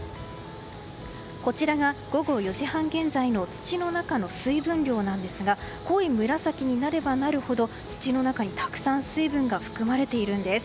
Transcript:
こちらが、午後４時半現在の土の中の水分量なんですが濃い紫になればなるほど土の中に水分がたくさん含まれているんです。